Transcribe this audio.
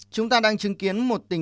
chúng ta đang chứng kiến một tình huống